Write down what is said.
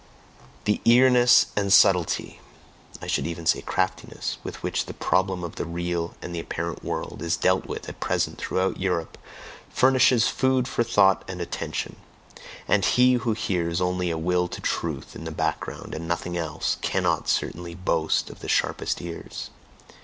The eagerness and subtlety, I should even say craftiness, with which the problem of "the real and the apparent world" is dealt with at present throughout Europe, furnishes food for thought and attention; and he who hears only a "Will to Truth" in the background, and nothing else, cannot certainly boast of the sharpest ears.